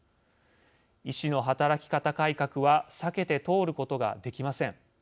医師の働き方改革は避けて通ることができません。